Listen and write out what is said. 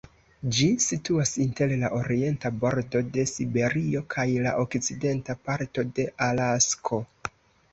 Ĝi situas inter la orienta bordo de Siberio kaj la okcidenta parto de Alasko.